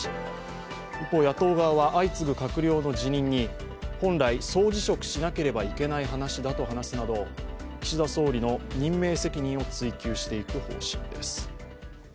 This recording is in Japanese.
一方、野党側は相次ぐ閣僚の辞任に本来、総辞職しなければいけない話だと話すなど岸田総理の任命責任を追及していく方針です。